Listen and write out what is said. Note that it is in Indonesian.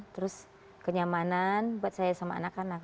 terus kenyamanan buat saya sama anak anak